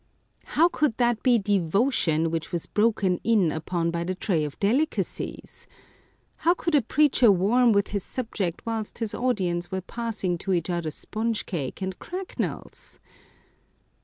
How could that be devotion which was broken in upon by the tray of delicacies? How could a preacher warm with his subject whilst his audi ence were passing to each other sponge cake and cracknels